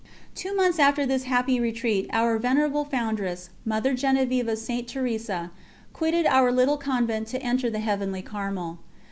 Two months after this happy retreat our Venerable Foundress, Mother Genevieve of St. Teresa, quitted our little convent to enter the Heavenly Carmel.